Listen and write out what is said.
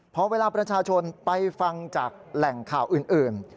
พอเวลาประชาชนไปฟังจากแหล่งข่าวอื่น